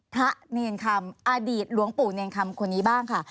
พระเนรคำอดีตหลวงปู่เนรคำคนนี้บ้างค่ะ